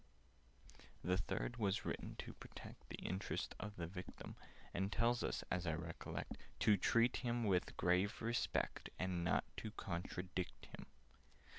"The Third was written to protect The interests of the Victim, And tells us, as I recollect, To treat him with a grave respect, And not to contradict him."